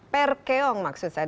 perkeong maksud saya